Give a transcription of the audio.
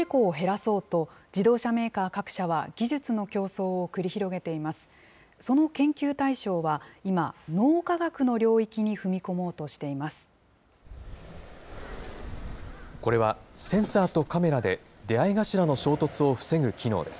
その研究対象は今、脳科学の領域に踏み込もうとしています。